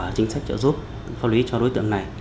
hiệu quả chính sách trợ giúp pháp lý cho đối tượng này